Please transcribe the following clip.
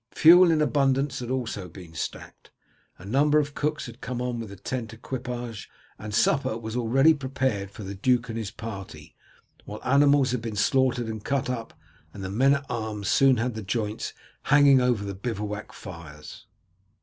Fuel in abundance had also been stacked. A number of cooks had come on with the tent equipage, and supper was already prepared for the duke and his party, while animals had been slaughtered and cut up, and the men at arms soon had the joints hanging over their bivouac fires.